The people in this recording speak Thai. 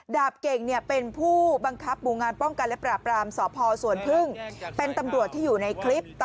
ดาบเก่งเป็นผู้บังคับหมู่งานป้องกันและปราบรามสพสวนพึ่งเป็นตำรวจที่อยู่ในคลิป